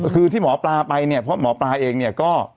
คือที่หมอปลาไปเนี่ยเพราะหมอปลาเองเนี่ยก็